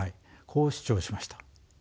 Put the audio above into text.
こう主張しました。